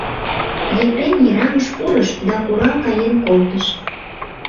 Епрем йыраҥыш пурыш да курал каен колтыш.